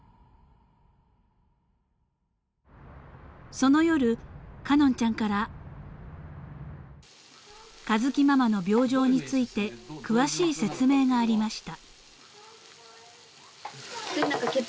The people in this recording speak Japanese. ［その夜海音ちゃんから佳月ママの病状について詳しい説明がありました］